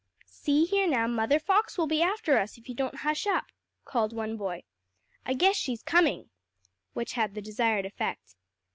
"See here now, Mother Fox will be after us all if you don't hush up," called one boy. "I guess she's coming," which had the desired effect.